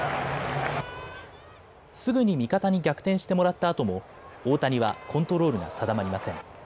すぐに味方に逆転してもらったあとも大谷はコントロールが定まりません。